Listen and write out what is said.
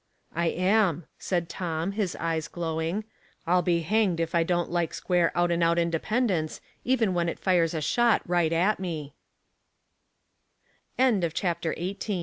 '' I am," said Tom, his eyes glowing. "I'll be hanged if I don't like square out and out inde pendence, even when it fires a shot right at moe" CHA